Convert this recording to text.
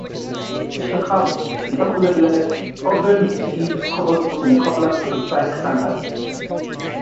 "Checkup", nevertheless, often receives calls from callers outside Canada.